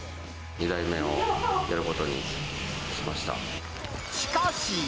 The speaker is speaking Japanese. ２台目をやることにしました。